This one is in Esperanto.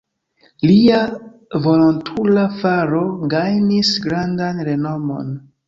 Lia volontula faro gajnis grandan renomon.